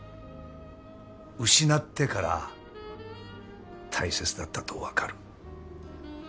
失ってから大切だったと分かる。